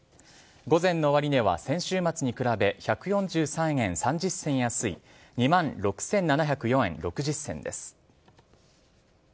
午前の終値は先週末に比べ、１４３円３０銭安い、２万６７０４円６０銭です。